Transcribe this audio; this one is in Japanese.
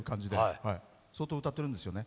相当歌ってるんですよね。